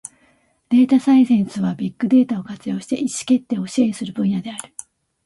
データサイエンスは、ビッグデータを活用して意思決定を支援する分野である。